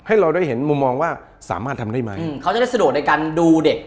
เราได้เห็นมุมมองว่าสามารถทำได้ไหมอืมเขาจะได้สะดวกในการดูเด็ก